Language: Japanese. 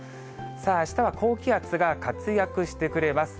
さあ、あしたは高気圧が活躍してくれます。